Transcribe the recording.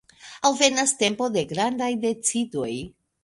Alvenas tempo de grandaj decidoj.